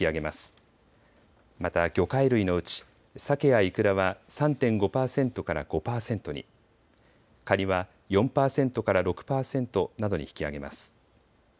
また魚介類のうちサケやいくらは３．５％から５％に、カニは４％から６％などに引き上げます。